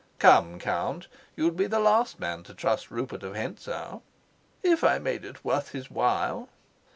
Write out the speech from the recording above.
"Come, Count, you'd be the last man to trust Rupert of Hentzau." "If I made it worth his while?"